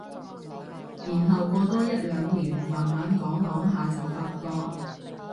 然後過多一兩年慢慢講講下就發覺